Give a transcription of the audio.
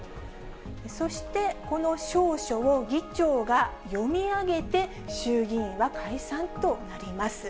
そしてこの詔書を議長が読み上げて、衆議院は解散となります。